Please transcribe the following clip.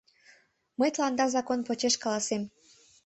Мый тыланда закон почеш каласем.